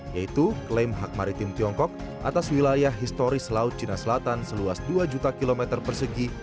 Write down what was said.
yaitu klaim hak maritim tiongkok atas wilayah historis laut cina selatan seluas dua juta km persegi